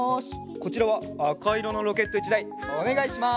こちらはあかいろのロケット１だいおねがいします。